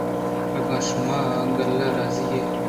اگاں شُما کُلّ راضی ئے